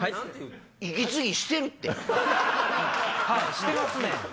してますね。